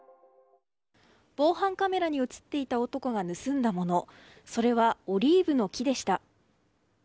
防犯カメラに映っていた男が盗んだものそれは、オリーブの木でした。